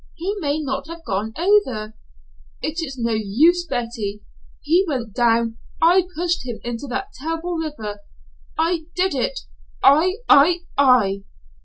He may not have gone over." "It's no use, Betty. He went down. I pushed him into that terrible river. I did it. I I I!"